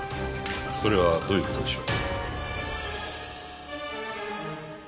それはどういうことでしょう？